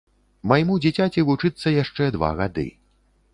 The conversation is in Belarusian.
Майму дзіцяці вучыцца яшчэ два гады.